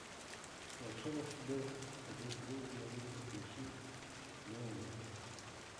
تر اخره خو به په دې څلورو دېوالو کې ګوښې نه يې ناسته.